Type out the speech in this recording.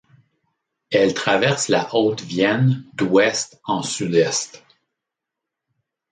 Elle traverse la Haute-Vienne d'ouest en sud-est.